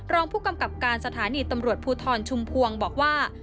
รองผู้กำกับการสถานีตำรวจภูทรชุมพวงบอกว่า